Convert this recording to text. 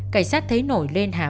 cảnh sát thấy nổi lên hàm